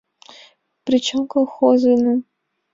Причем колхозыным?